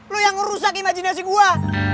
lu yang ngerusak imajinasi gua